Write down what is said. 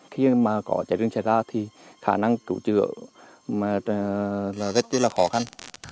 khi mà có cháy rừng xảy ra thì khả năng cứu chữa rất là khó khăn